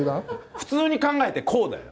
普通に考えて後だよ！